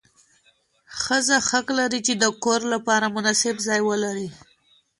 ښځه حق لري چې د کور لپاره مناسب ځای ولري.